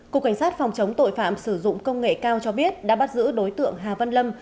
cục cảnh sát phòng chống tội phạm sử dụng công nghệ cao cho biết đã bắt giữ đối tượng hà văn lâm